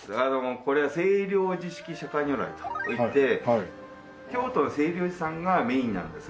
これは清凉寺式釈如来といって京都の清凉寺さんがメインなんですが。